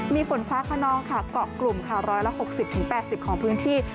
มีฝนฟ้าขนองค่ะเกาะกลุ่มค่ะ๑๖๐๘๐ของพื้นที่